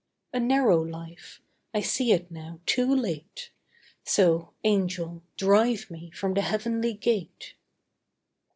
A narrow life; I see it now, too late; So, Angel, drive me from the heavenly gate.